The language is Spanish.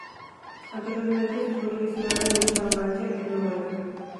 Anteriormente estuvo registrado en Stavanger, en Noruega.